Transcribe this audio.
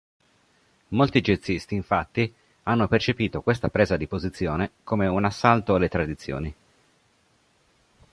Molti jazzisti infatti hanno percepito questa presa di posizione come "un assalto alle tradizioni".